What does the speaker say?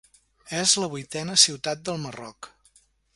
És la vuitena ciutat del Marroc.